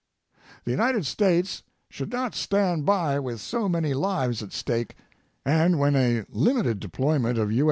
The United States should not stand by with so many lives at stake and when a limited deployment of U.